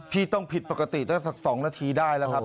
พี่ต้องผิดปกติตั้งสัก๒นาทีได้แล้วครับ